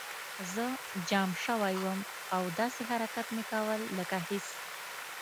زه جام شوی وم او داسې حرکات مې کول لکه هېڅ